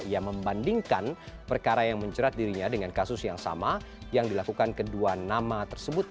ia membandingkan perkara yang menjerat dirinya dengan kasus yang sama yang dilakukan kedua nama tersebut